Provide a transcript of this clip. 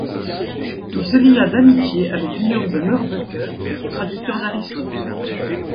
Il se lia d'amitié avec Guillaume de Moerbeke, le traducteur d'Aristote.